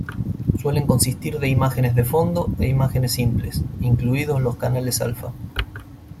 Suelen consistir de imágenes de fondo e imágenes simples, incluidos los canales alfa.